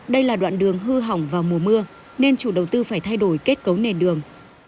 đây là đoạn đường hư hỏng vào mùa mưa nên chủ đầu tư phải thay đổi kết cấu nền đường